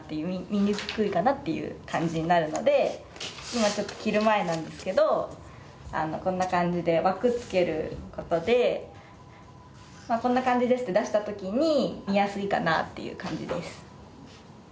見にくいかなっていう感じになるので今ちょっと切る前なんですけどこんな感じで枠つける事で「こんな感じです」って出した時に見やすいかなっていう感じです。